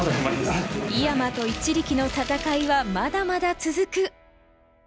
井山と一力の戦いはまだまだ続く！